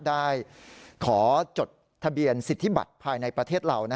ได้ขอจดทะเบียนสิทธิบัตรภายในประเทศเรา